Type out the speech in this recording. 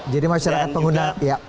jadi masyarakat pengguna